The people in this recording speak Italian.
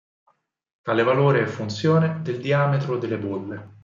Tale valore è funzione del diametro delle bolle.